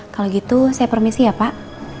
kalau gitu saya permisi ya pak